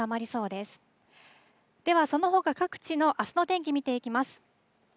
では、そのほか各地のあすの天気見ていきます。